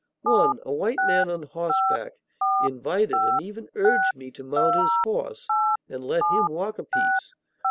One, a white man on horseback, invited, and even urged me, to mount his horse, and let him walk a piece.